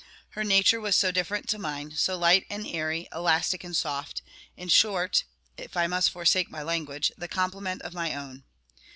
Her nature was so different to mine, so light and airy, elastic and soft; in short (if I must forsake my language), the complement of my own.